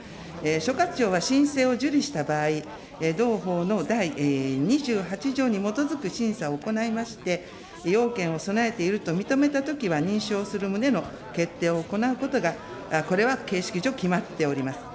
所轄庁は申請を受理した場合、同法の第２８条に基づく審査を行いまして、要件を備えていると認めたときは認証する旨の決定を行うことが、これは形式上、決まっております。